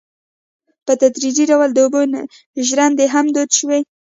په تدریجي ډول د اوبو ژرندې هم دود شوې.